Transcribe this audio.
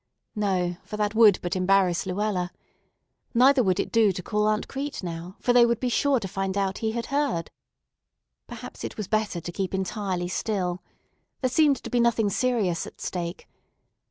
No, for that would but embarrass Luella. Neither would it do to call Aunt Crete now, for they would be sure to find out he had heard. Perhaps it was better to keep entirely still. There seemed to be nothing serious at stake.